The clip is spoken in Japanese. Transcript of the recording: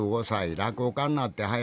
落語家になってはや